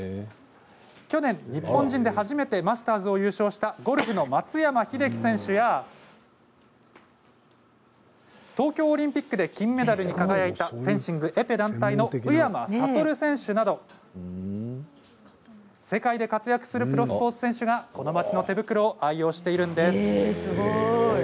去年、日本人で初めてマスターズを優勝したゴルフの松山英樹選手や東京オリンピックで金メダルに輝いた、フェンシングエペ団体の宇山賢選手など世界で活躍するプロスポーツ選手がこの町の手袋を愛用しているんです。